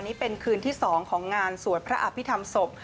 นี่เป็นคืนที่๒ของงานสวดพระอภิษฐรรมศพ